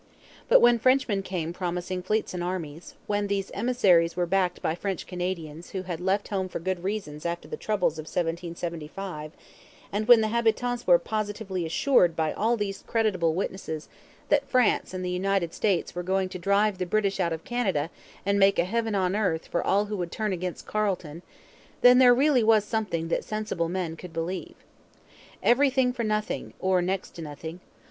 But when Frenchmen came promising fleets and armies, when these emissaries were backed by French Canadians who had left home for good reasons after the troubles of 1775, and when the habitants were positively assured by all these credible witnesses that France and the United States were going to drive the British out of Canada and make a heaven on earth for all who would turn against Carleton, then there really was something that sensible men could believe. Everything for nothing or next to nothing.